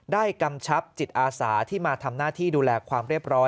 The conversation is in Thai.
กำชับจิตอาสาที่มาทำหน้าที่ดูแลความเรียบร้อย